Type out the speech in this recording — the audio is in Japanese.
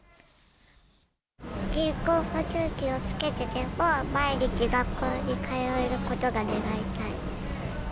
人工呼吸器をつけていても、毎日、学校に通えることが願いたいです。